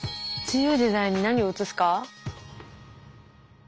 自由自在に何を移すか？